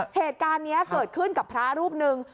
เหตุการณ์นี้เกิดขึ้นกับพระรูปหนึ่ง